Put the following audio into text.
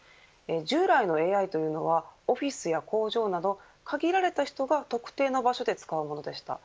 旧来のＡＩというのはオフィスや工場など限られた人が特定の場所で使うものでした。